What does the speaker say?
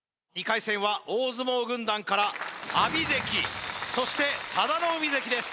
２回戦は大相撲軍団から阿炎関そして佐田の海関です